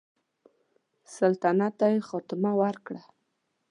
سلطنت ته یې خاتمه ورکړه.